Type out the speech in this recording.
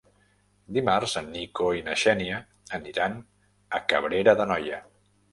Dimarts en Nico i na Xènia aniran a Cabrera d'Anoia.